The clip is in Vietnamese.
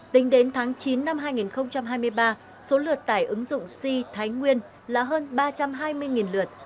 tính đến tháng chín năm hai nghìn hai mươi ba số lượt tải ứng dụng si thái nguyên là hơn ba trăm hai mươi lượt